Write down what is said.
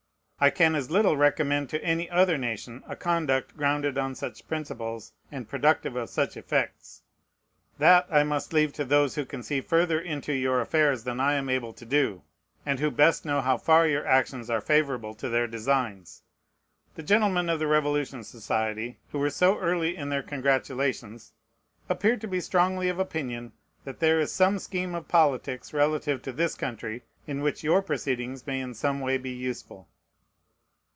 I can as little recommend to any other nation a conduct grounded on such principles and productive of such effects. That I must leave to those who can see further into your affairs than I am able to do, and who best know how far your actions are favorable to their designs. The gentlemen of the Revolution Society, who were so early in their congratulations, appear to be strongly of opinion that there is some scheme of politics relative to this country, in which your proceedings may in some way be useful.